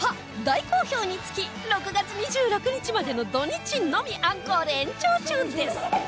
大好評につき６月２６日までの土日のみアンコール延長中です